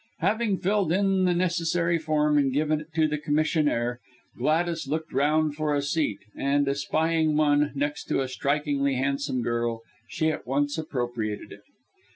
Having filled in the necessary form, and given it to the commissionaire, Gladys looked round for a seat, and espying one, next to a strikingly handsome girl, she at once appropriated it.